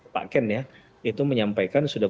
pak ken ya itu menyampaikan sudah